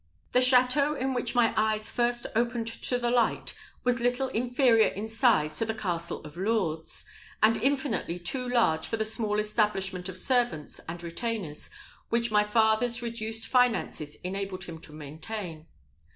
The château in which my eyes first opened to the light was little inferior in size to the castle of Lourdes, and infinitely too large for the small establishment of servants and retainers which my father's reduced finances enabled him to maintain.